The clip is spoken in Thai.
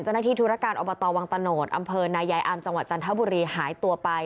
ธุรการอบตวังตะโนธอำเภอนายายอามจังหวัดจันทบุรีหายตัวไป